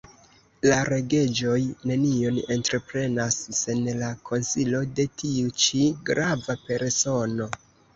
La gereĝoj nenion entreprenas sen la konsilo de tiu ĉi grava persono.